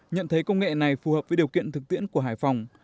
nhận thấy công nghệ này phù hợp với điều kiện thực tiễn của hải phòng